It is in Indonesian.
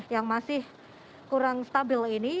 yang masih kurang stabil ini